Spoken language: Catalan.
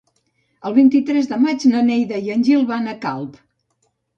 El vint-i-tres de maig na Neida i en Gil van a Calp.